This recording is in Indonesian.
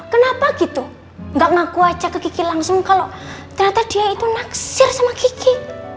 kenapa gitu gak ngaku aja ke kiki langsung kalau ternyata dia itu naksir sama kiki